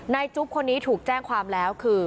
จุ๊บคนนี้ถูกแจ้งความแล้วคือ